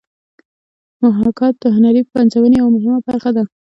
محاکات د هنري پنځونې یوه مهمه برخه ده